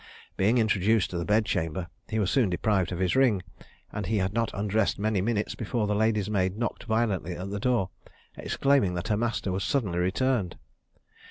Being introduced to the bed chamber, he was soon deprived of his ring; and he had not undressed many minutes before the lady's maid knocked violently at the door, exclaiming that her master was suddenly returned.